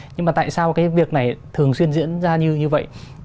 nhưng mà tại sao cái việc này thường xuyên diễn ra như vậy